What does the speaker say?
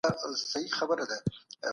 د توازن تیوري باید په پوره توګه مطالعه سي.